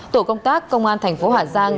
tổ công tác công an thành phố hà giang